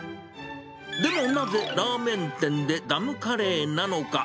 でもなぜ、ラーメン店でダムカレーなのか。